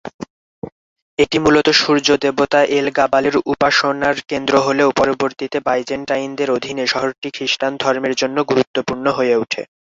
এটি মূলত সূর্য দেবতা এল-গাবালের উপাসনার কেন্দ্র হলেও পরবর্তীতে বাইজেন্টাইনদের অধীনে শহরটি খ্রিষ্টান ধর্মের জন্য গুরুত্বপূর্ণ হয়ে উঠে।